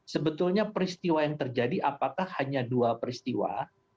sebetulnya peristiwa yang terjadi apakah hanya dua peristiwa